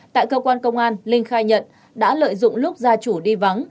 tại cơ quan công an linh khai nhận đã lợi dụng lúc gia chủ đi vắng